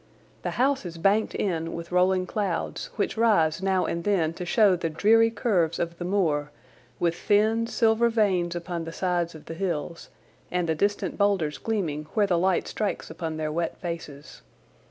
The house is banked in with rolling clouds, which rise now and then to show the dreary curves of the moor, with thin, silver veins upon the sides of the hills, and the distant boulders gleaming where the light strikes upon their wet faces.